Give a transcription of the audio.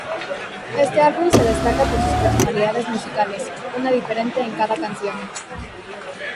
Este álbum se destaca por sus personalidades musicales, una diferente en cada canción.